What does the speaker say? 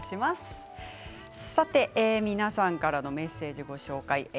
皆さんからのメッセージご紹介します。